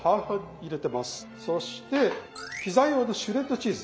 そしてピザ用のシュレッドチーズ。